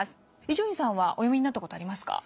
伊集院さんはお読みになった事ありますか？